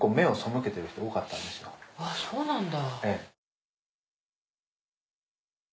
あぁそうなんだ。